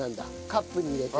カップに入れて。